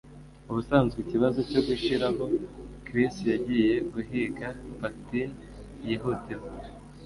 Ubusanzwe ikibazo cyo gushiraho, Chris yagiye guhiga pectin yihutirwa.